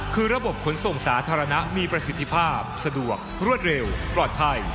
คือระบบขนส่งสาธารณะมีประสิทธิภาพสะดวกรวดเร็วปลอดภัย